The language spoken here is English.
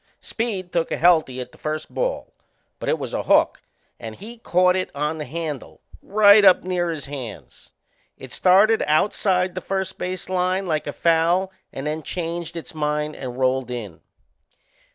Speed took a healthy at the first ball; but it was a hook and he caught it on the handle, right up near his hands. It started outside the first base line like a foul and then changed its mind and rolled in.